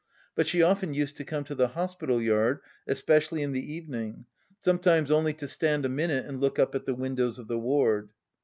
But she often used to come to the hospital yard, especially in the evening, sometimes only to stand a minute and look up at the windows of the ward.